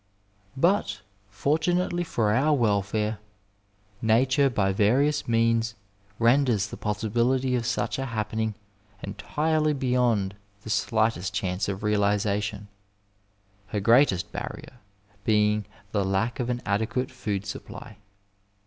But, fortunately for our welfare, nature by various means renders the possibility of such a happening entirely beyond the slightest chance of realization, her greatest barrier being the lack of an adequate food supply.